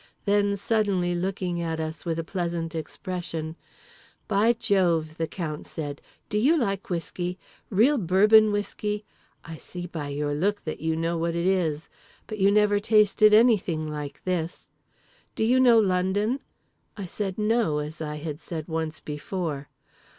Then, suddenly looking at us with a pleasant expression, "By Jove!" the Count said, "do you like whiskey? Real Bourbon whiskey? I see by your look that you know what it is. But you never tasted anything like this. Do you know London?" I said no, as I had said once before.